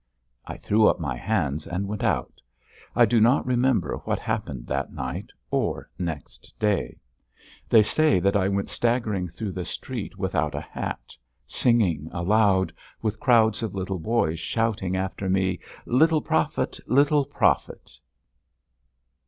I threw up my hands and went out; I do not remember what happened that night or next day. They say that I went staggering through the street without a hat, singing aloud, with crowds of little boys shouting after me: "Little Profit! Little Profit!"